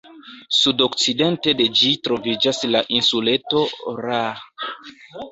Sudokcidente de ĝi troviĝas la insuleto Ra.